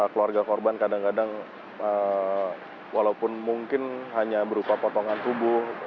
keluarga korban kadang kadang walaupun mungkin hanya berupa potongan tubuh